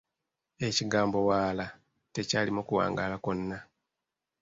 Ekigambo “waala” tekyalimu kuwangaala kwonna.